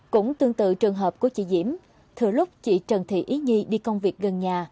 cũng tương tự trường hợp của chị diễm thử lúc chị trần thị ý nhi đi công việc gần nhà